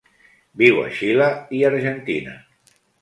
Viu a Xile i Argentina.